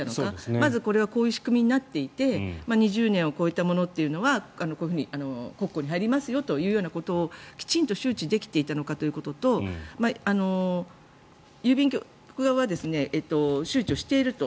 まずこれはこういう仕組みになっていて２０年を超えたものはこういうふうに国庫に入りますよっていうことをきちんと周知できていたのかということと郵便局側は周知をしていると。